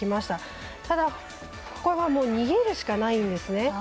ただ、ここは逃げるしかないんですね。